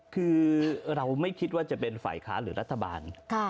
คือเราไม่คิดว่าจะเป็นฝ่ายค้าหรือรัฐบาล